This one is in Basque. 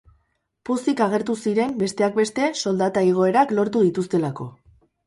Pozik agertu ziren, besteak beste, soldata-igoerak lortu dituztelako.